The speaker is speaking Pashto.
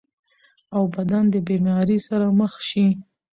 او بدن د بيمارۍ سره مخ شي -